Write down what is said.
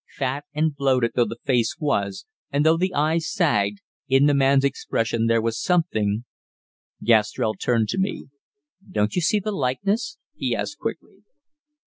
Fat and bloated though the face was, and though the eyes sagged, in the man's expression there was something Gastrell turned to me. "Don't you see the likeness?" he asked quickly.